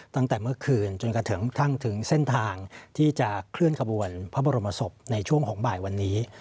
ตั้งแต่เมื่อคืนจนกระทั่งถึงเส้นทางที่จะเคลื่อนขบวนพระบรมศพในช่วงของบ่ายวันนี้